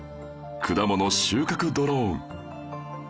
果物収穫ドローン